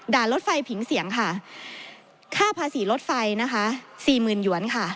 ด่านรถไฟผิงเสียงค่ะค่าภาษีรถไฟนะคะ๔๐๐๐๐ยวนค่ะ